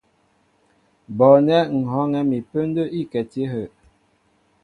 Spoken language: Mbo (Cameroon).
Bɔɔnɛ́ ŋ̀ hɔ́ɔ́ŋɛ́ mi pə́ndə́ íkɛti áhə'.